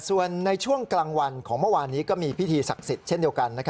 ส่วนในช่วงกลางวันของเมื่อวานนี้ก็มีพิธีศักดิ์สิทธิ์เช่นเดียวกัน